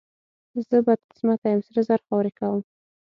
زه بدقسمته یم، سره زر خاورې کوم.